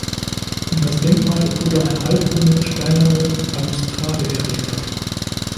Um das Denkmal wurde eine halbrunde steinerne Balustrade errichtet.